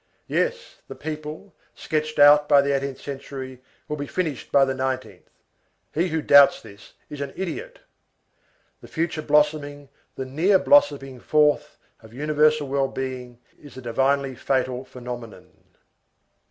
Yes, the people, sketched out by the eighteenth century, will be finished by the nineteenth. He who doubts this is an idiot! The future blossoming, the near blossoming forth of universal well being, is a divinely fatal phenomenon.